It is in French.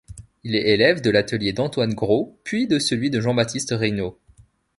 Il est élève de l'atelier d'Antoine Gros puis de celui de Jean-Baptiste Regnault.